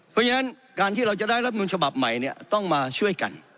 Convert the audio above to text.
เพราะฉะนั้นการที่เราจะได้รับนูลฉบับใหม่ต้องมาช่วยกัน